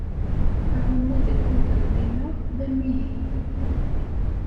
Aɛumu deg ugelmim-a d amihi.